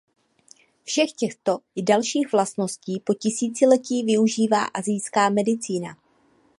Všech těchto i dalších vlastností po tisíciletí využívá asijská medicína.